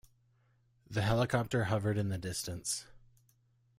The helicopter hovered in the distance.